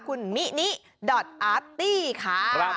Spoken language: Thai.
คุณมินิอาร์ตี้ค่ะ